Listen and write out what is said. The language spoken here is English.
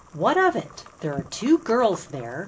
What of it? There are two girls there.